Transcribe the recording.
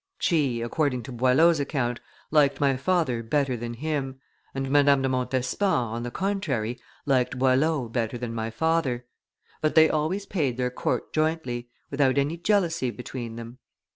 She, according to Boileau's account, liked my father better than him, and Madame de Montespan, on the contrary, liked Boileau better than my father, but they always paid their court jointly, without any jealousy between them.